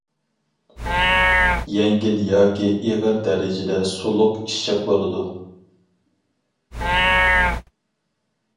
يەڭگىل ياكى ئېغىر دەرىجىدە سۇلۇق ئىششىق بولىدۇ.